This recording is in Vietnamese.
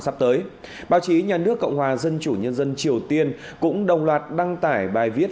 sắp tới báo chí nhà nước cộng hòa dân chủ nhân dân triều tiên cũng đồng loạt đăng tải bài viết